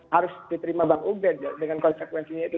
harus diterima bang ubed dengan konsekuensinya itu